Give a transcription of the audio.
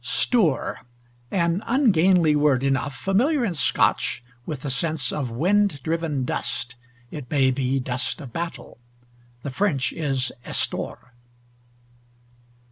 STOUR; an ungainly word enough, familiar in Scotch with the sense of wind driven dust, it may be dust of battle. The French is Estor.